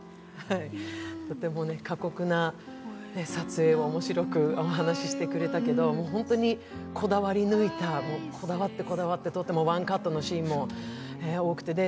とても過酷な撮影を面白くお話ししてくれたけど、本当にこだわり抜いた、こだわってこだわって撮ったワンカットのシーンも多くて。